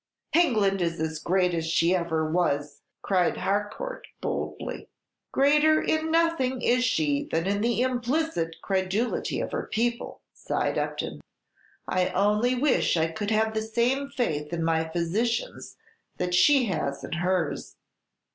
"England is as great as ever she was," cried Harcourt, boldly. "Greater in nothing is she than in the implicit credulity of her people!" sighed Upton. "I only wish I could have the same faith in my physicians that she has in hers!